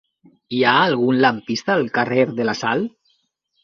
Hi ha algun lampista al carrer de la Sal?